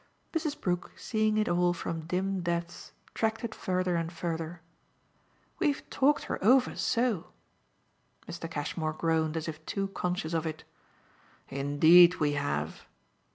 Mrs. Brook, seeing it all from dim depths, tracked it further and further. "We've talked her over so!" Mr. Cashmore groaned as if too conscious of it. "Indeed we have!"